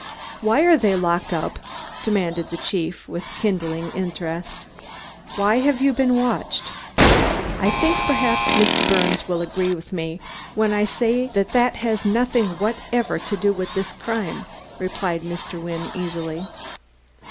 "Why are they locked up?" demanded the chief, with kindling interest. "Why have you been watched?" "I think, perhaps, Mr. Birnes will agree with me when I say that that has nothing whatever to do with this crime," replied Mr. Wynne easily.